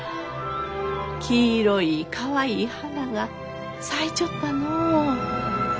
黄色いかわいい花が咲いちょったのう。